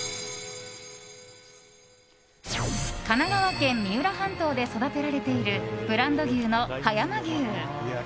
神奈川県三浦半島で育てられているブランド牛の葉山牛。